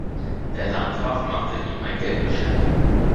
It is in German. Der Landgraf machte ihm ein Geldgeschenk.